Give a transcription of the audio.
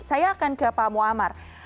saya akan ke pak muamar